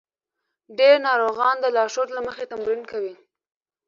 ډېر ناروغان د لارښود له مخې تمرین کوي.